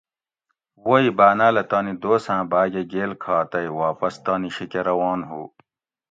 ووئ باٞناٞلہ تانی دوست آۤں بھاٞگٞہ گیل کھا تئ واپس تانی شی کٞہ روان ہُو